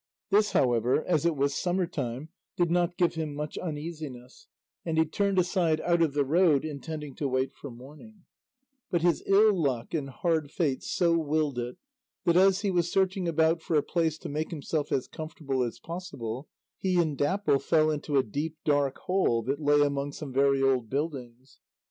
This, however, as it was summer time, did not give him much uneasiness, and he turned aside out of the road intending to wait for morning; but his ill luck and hard fate so willed it that as he was searching about for a place to make himself as comfortable as possible, he and Dapple fell into a deep dark hole that lay among some very old buildings.